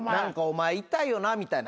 お前痛いよなみたいな。